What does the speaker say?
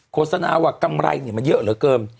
โฆษณาว่ากำไรมันเยอะเหลือเกิน